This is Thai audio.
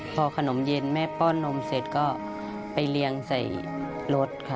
พอขนมเย็นแม่ป้อนนมเสร็จก็ไปเรียงใส่รถค่ะ